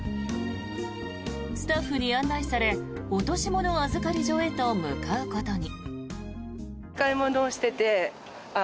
スタッフに案内され落とし物預かり所へと向かうことに。